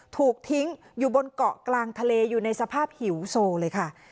ถูกทิ้งอยู่บนเกาะกลางทะเลอยู่ในสภาพหิวโซเลยค่ะ